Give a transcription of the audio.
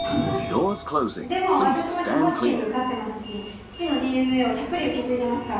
でも私も司法試験に受かってますし父のＤＮＡをたっぷり受け継いでますから。